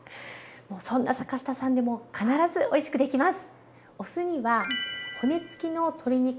そんな坂下さんでも必ずおいしくできます。